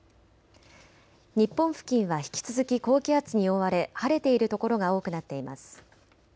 日本付近は引き続き高気圧に覆われ晴れている所が多くなっています。